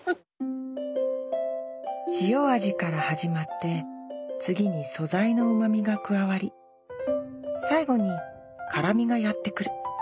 塩味から始まって次に素材のうまみが加わり最後に辛みがやってくる。